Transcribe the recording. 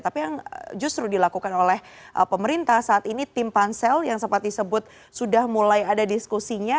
tapi yang justru dilakukan oleh pemerintah saat ini tim pansel yang sempat disebut sudah mulai ada diskusinya